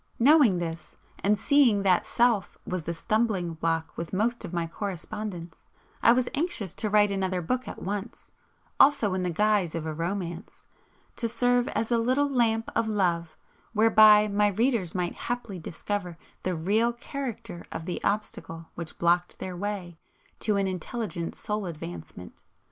Knowing this, and seeing that Self was the stumbling block with most of my correspondents, I was anxious to write another book at once, also in the guise of a romance, to serve as a little lamp of love whereby my readers might haply discover the real character of the obstacle which blocked their way to an intelligent Soul advancement.